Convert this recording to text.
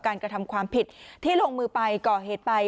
กระทำความผิดที่ลงมือไปก่อเหตุไป